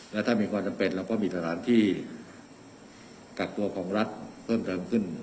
และถ้ามีความจำเป็นเราก็มีสถานที่กักตัวของรัฐเพิ่มเติมขึ้น